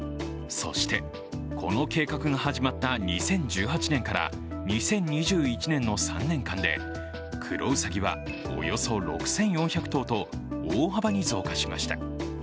そして、この計画が始まった２０１８年から２０２１年の３年間でクロウサギはおよそ６４００頭と大幅に増加しました。